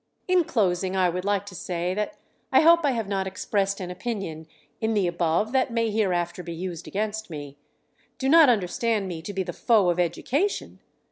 In closing, I would like to say that I hope I have not expressed an opinion in the above that may hereafter be used against me. Do not understand me to be the foe of education.